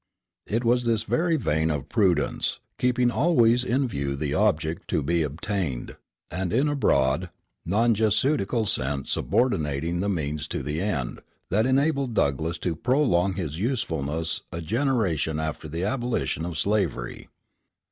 It was this very vein of prudence, keeping always in view the object to be attained, and in a broad, non Jesuitical sense subordinating the means to the end, that enabled Douglass to prolong his usefulness a generation after the abolition of slavery.